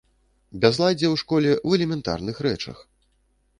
Бязладдзе ў школе ў элементарных рэчах.